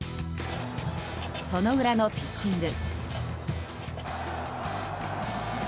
その裏のピッチング。